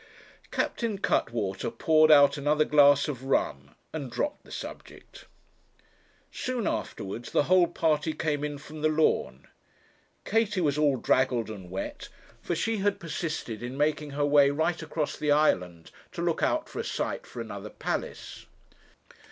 Captain Cuttwater poured out another glass of rum, and dropped the subject. Soon afterwards the whole party came in from the lawn. Katie was all draggled and wet, for she had persisted in making her way right across the island to look out for a site for another palace.